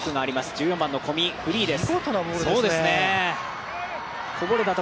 １４番の小見、フリーです。